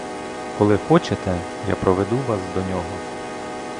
Коли хочете, я проведу вас до нього.